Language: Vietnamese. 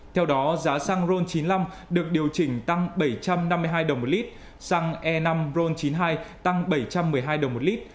theo đó giá xăng ron chín mươi năm được điều chỉnh tăng bảy trăm năm mươi hai đồng một lít xăng e năm ron chín mươi hai tăng bảy trăm một mươi hai đồng một lít